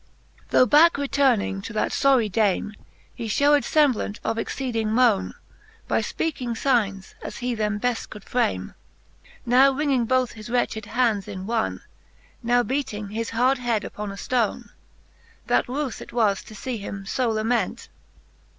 Tho' backe returning to that forie dame, He fhewed femblant of exceeding mone, By fpeaking fignes, as he them beft could frame ; Now wringing both his wretched hands in one, Now beating his hard head upon a ftone, That ruth it was to fee him fo lament.